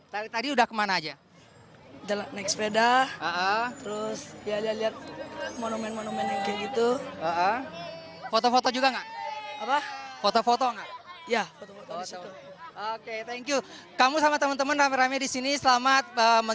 tadi tadi udah kemana aja